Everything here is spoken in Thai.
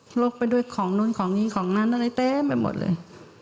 ลกไปด้วยของนู้นของนี้ของนั้นอะไรเต็มไปหมดเลย